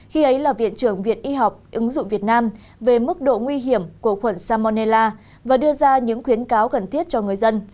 khi ấy là viện trưởng viện y học ứng dụng việt nam về mức độ nguy hiểm của khuẩn salmonella và đưa ra những khuyến cáo cần thiết cho người dân